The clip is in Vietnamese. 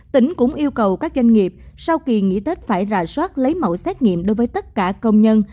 tỉnh cũng yêu cầu các doanh nghiệp sau kỳ nghỉ tết phải rà soát lấy mẫu xét nghiệm đối với tất cả công nhân